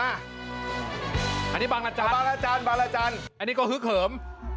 อันนี้บางราจันอันนี้ก็คือเขิม